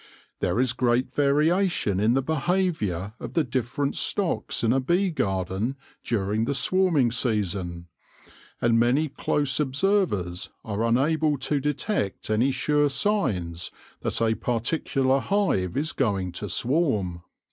There is great variation in the behaviour of the different stocks in a bee garden during the swarming season, and many close observers are unable to detect any sure signs that a particular hive is going to swarm.